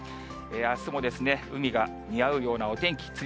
あすも海が似合うようなお天気です。